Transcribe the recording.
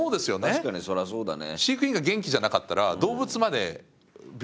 確かにそりゃそうだね。